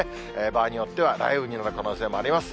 場合によっては、雷雨になる可能性もあります。